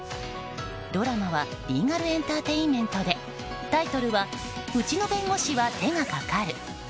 ドラマはリーガルエンターテインメントでタイトルは「うちの弁護士は手がかかる」。